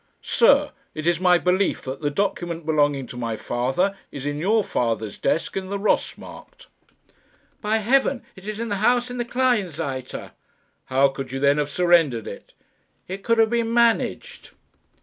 Sir, it is my belief that the document belonging to my father is in your father's desk in the Ross Markt." "By heaven, it is in the house in the Kleinseite." "How could you then have surrendered it?" "It could have been managed."